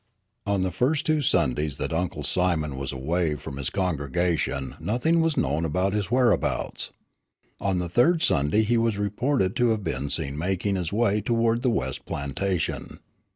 On the first two Sundays that Uncle Simon was away from his congregation nothing was known about his whereabouts. On the third Sunday he was reported to have been seen making his way toward the west plantation.